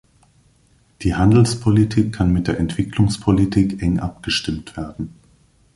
Die Handelspolitik kann mit der Entwicklungspolitik eng abgestimmt werden.